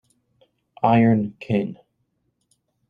Iron King